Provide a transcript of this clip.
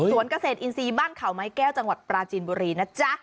เกษตรอินทรีย์บ้านเขาไม้แก้วจังหวัดปราจีนบุรีนะจ๊ะ